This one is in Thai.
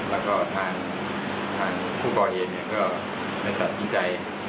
แล้วก็ทางผู้ก่อเหตุก็ได้ตัดสินใจ